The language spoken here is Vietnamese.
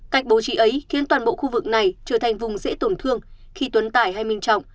cách bố trí ấy khiến toàn bộ khu vực này trở thành vùng dễ tổn thương khi tuấn tải hay minh trọng